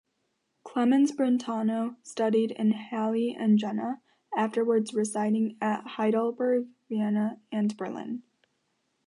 Clemens Brentano studied in Halle and Jena, afterwards residing at Heidelberg, Vienna and Berlin.